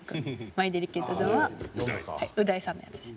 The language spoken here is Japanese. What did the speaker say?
『マイデリケートゾーン』はう大さんのやつです。